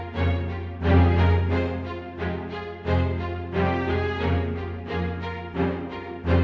terima kasih miss kiki